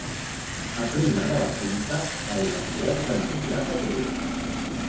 Aprima de la punta el ganivet de menjar patés.